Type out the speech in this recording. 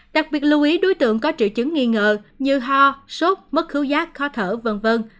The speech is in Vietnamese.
đặc biệt lưu ý đối tượng có triệu chứng nghi ngờ như ho sốt mất cứu giác khó thở v v